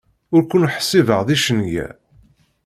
Ur ken-ḥsibeɣ d icenga.